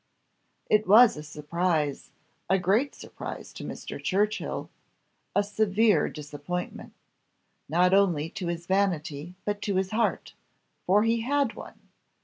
It was a surprise a great surprise to Mr. Churchill, a severe disappointment, not only to his vanity but to his heart, for he had one.